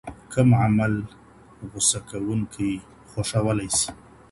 کوم عمل غصه کوونکی خوښولای سي؟